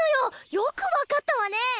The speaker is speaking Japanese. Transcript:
よく分かったわねえ。